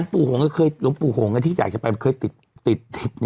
ผมข้อน้ำผูหงนะที่อยากจะไปคือถี่ติด